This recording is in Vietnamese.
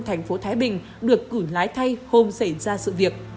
thành phố thái bình được cử lái thay hôm xảy ra sự việc